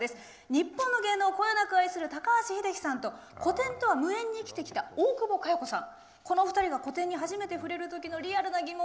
日本の芸能をこよなく愛する高橋英樹さんと古典とは無縁に生きてきた大久保佳代子さん。